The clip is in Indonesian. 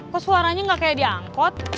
kok suaranya nggak kayak diangkot